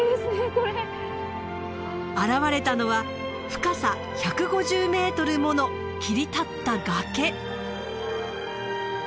現れたのは深さ１５０ｍもの切り立った崖。